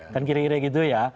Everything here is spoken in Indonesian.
kan kira kira gitu ya